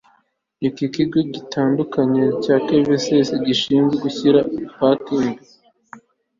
iki kigo gitandukanye na kvcs isanzwe yishyuza parikingi